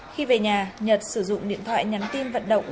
khi về nhà nhật sử dụng điện thoại nhắn tin vận động